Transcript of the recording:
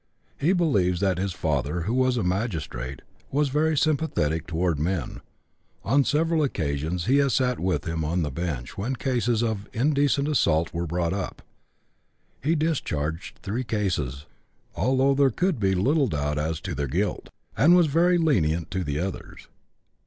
He believes that his father, who was a magistrate, was very sympathetic toward men; on several occasions he has sat with him on the bench when cases of indecent assault were brought up; he discharged three cases, although there could be little doubt as to their guilt, and was very lenient to the others.